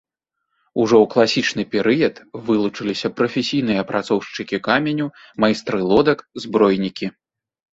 Ужо ў класічны перыяд вылучыліся прафесійныя апрацоўшчыкі каменю, майстры лодак, збройнікі.